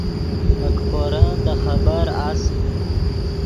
نے کیپورن دے خبر اس